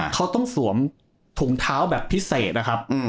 เขาต้องสวมถุงเท้าแบบพิเศษนะครับ